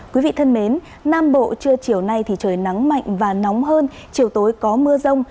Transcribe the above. quý vị thân mến nam bộ trưa chiều nay thì trời nắng mạnh và nóng hơn chiều tối có mưa rông